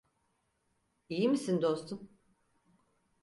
İyi misin dostum?